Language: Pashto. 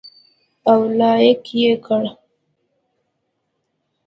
او لاک ئې کړي